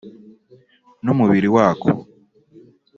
n’umubiri wako